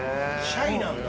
シャイなんだ。